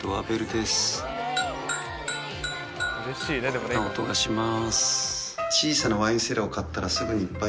こんな音がします。